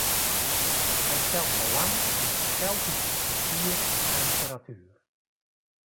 Hy stelt belang yn de Keltyske kultuer en literatuer.